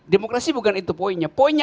demokrasi bukan itu poinnya poinnya